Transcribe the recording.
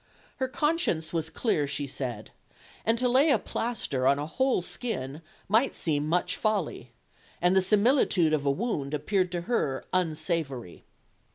Her conscience was clear, she said; to lay a plaster on a whole skin might seem much folly, and the similitude of a wound appeared to her unsavoury.